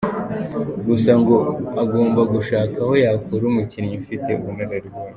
Gusa ngo agomba gushaka aho yakura umukinnyi ufite ubunararibonye.